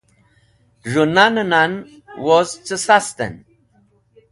Z̃hũ nan-e nan woz cẽ Sast en.